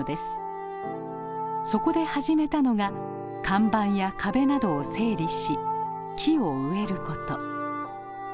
そこで始めたのが看板や壁などを整理し木を植えること。